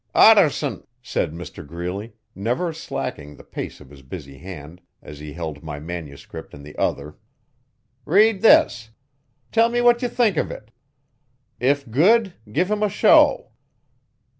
'Ottarson!' said Mr Greeley, never slacking the pace of his busy hand, as he held my manuscript in the other, 'read this. Tell me what you think of it. If good, give him a show.